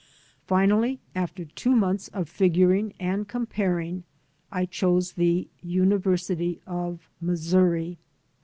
Finally, after two months of figuring and comparing, I chose the University of Missouri.